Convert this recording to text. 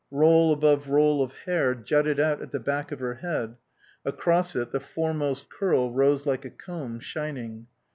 Roll above roll of hair jutted out at the back of her head; across it, the foremost curl rose like a comb, shining.